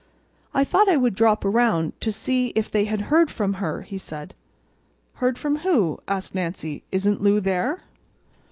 "I thought I would drop around to see if they had heard from her," he said. "Heard from who?" asked Nancy. "Isn't Lou there?"